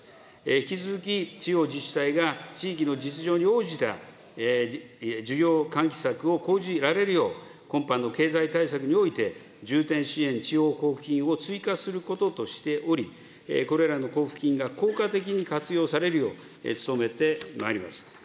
引き続き地方自治体が地域の実情に応じた需要喚起策を講じられるよう、今般の経済対策において、重点支援地方交付金を追加することとしており、これらの交付金が効果的に活用されるよう努めてまいります。